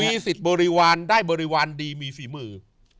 สิทธิ์บริวารได้บริวารดีมีฝีมือ